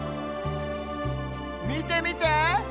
みてみて！